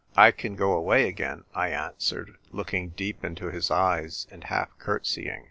" I can go away again," I answered, looking deep into his eyes, and half curtseying.